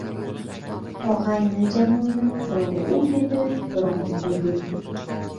Og‘ayni-jamoalar birovi u dedi, birovi bu dedi.